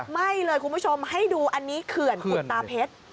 ไม่เลยคุณผู้ชมให้ดูอันนี้เขื่อนกุฎตาเพชร